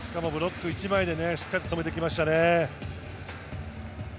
３連続ポしかもブロック１枚でしっかり止めてきましたね。